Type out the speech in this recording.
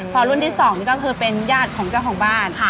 พอรุ่นที่๒นี่ก็คือเป็นญาติของเจ้าของบ้าน